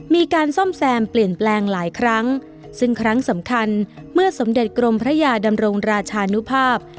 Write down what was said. มีการซ่อมแซมเปลี่ยนแปลงหลายครั้งซึ่งครั้งสำคัญเมื่อสมเด็จกรมพระยาดำรงราชานุภาพ